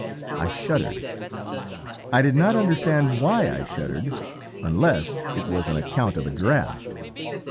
I shuddered! "I did not understand why I shuddered, unless it was on account of a draught!